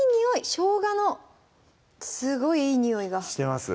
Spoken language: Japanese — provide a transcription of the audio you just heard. しょうがのすごいいいにおいがしてます？